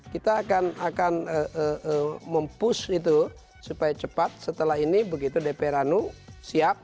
kita akan mempush itu supaya cepat setelah ini begitu dpr anu siap